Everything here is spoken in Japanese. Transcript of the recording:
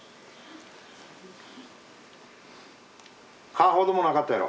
蚊ほどもなかったやろ。